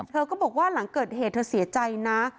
เธอก็บอกว่าหลังเกิดเหตุเธอเสียใจนะ